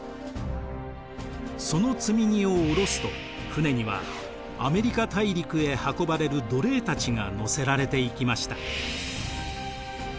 その積み荷を降ろすと船にはアメリカ大陸へ運ばれる奴隷たちが乗せられていきました。